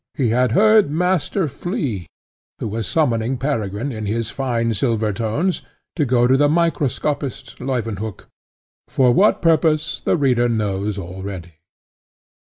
He had heard Master Flea, who was summoning Peregrine, in his fine silver tones, to go to the microscopist, Leuwenhock, for what purpose the reader knows already.